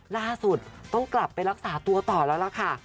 ล่าสุดต้องกลับไปรักษาตัวต่อแล้วล่ะค่ะ